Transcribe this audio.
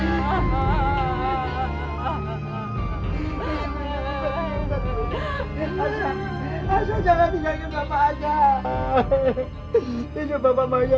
lupuan gembel ada macem macem ya